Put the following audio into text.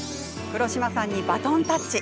黒島さんにバトンタッチ。